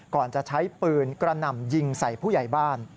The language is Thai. ก่อนจะใช้ปืนกระหน่ำยิงใส่ผู้ใหญ่บ้าน